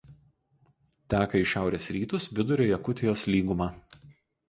Teka į šiaurės rytus Vidurio Jakutijos lyguma.